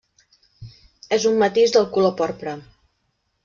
És un matís del color porpra.